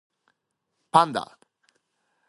Padua.